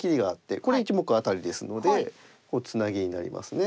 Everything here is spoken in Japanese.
これ１目アタリですのでツナギになりますね。